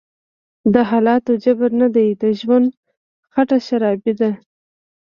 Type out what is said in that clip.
دحالاتو_جبر_نه_دی_د_ژوند_خټه_شرابي_ده